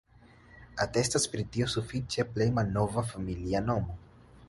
Atestas pri tio sufiĉe plej malnova familia nomo.